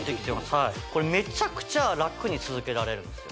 はいこれめちゃくちゃ楽に続けられるんですよ